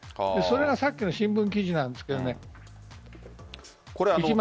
それがさっきの新聞記事なんですが。